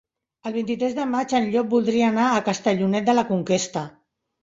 El vint-i-tres de maig en Llop voldria anar a Castellonet de la Conquesta.